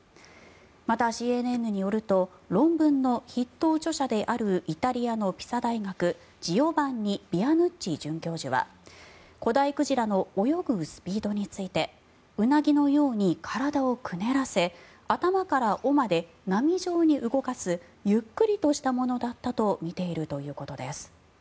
また、ＣＮＮによると論文の筆頭著者であるイタリアのピサ大学ジオバンニ・ビアヌッチ准教授は古代鯨の泳ぐスピードについてウナギのように体をくねらせ頭から尾まで波状に動かすゆっくりとしたものだったとみているということです。